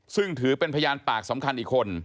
ซึ่งถือเป็นพยานปากสำคัญอีกคน